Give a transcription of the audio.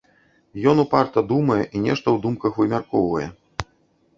Ён упарта думае і нешта ў думках вымяркоўвае.